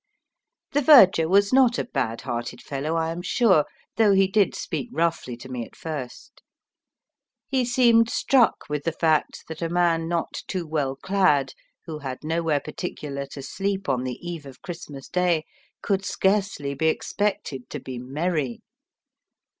The verger was not a bad hearted fellow, I am sure, though he did speak roughly to me at first. He seemed struck with the fact that a man not too well clad, who had nowhere particular to sleep on the eve of Christmas Day, could scarcely be expected to be "merry."